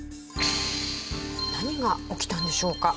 何が起きたんでしょうか？